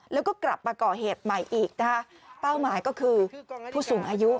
แล้วก็กลับมาก่อเหตุใหม่อีกนะคะเป้าหมายก็คือผู้สูงอายุ